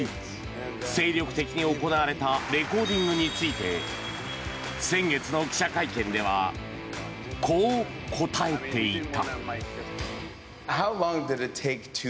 精力的に行われたレコーディングについて先月の記者会見ではこう答えていた。